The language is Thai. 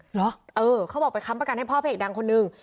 เหรอเออเขาบอกไปค้ำประกันให้พ่อพระเอกดังคนนึง